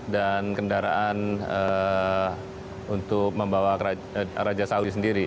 dan kendaraan untuk membawa raja saudi sendiri